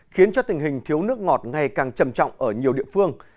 khiến cho tình hình thiếu nước ngọt ngày càng trầm trọng ở nhiều địa phương